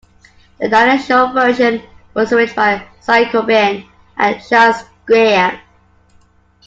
The Dinah Shore version was arranged by Cy Coben and Charles Grean.